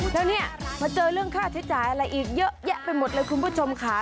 แล้วเนี่ยมาเจอเรื่องค่าใช้จ่ายอะไรอีกเยอะแยะไปหมดเลยคุณผู้ชมค่ะ